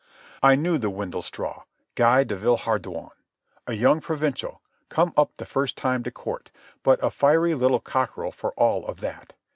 I knew the windlestraw, Guy de Villehardouin, a raw young provincial, come up the first time to Court, but a fiery little cockerel for all of that.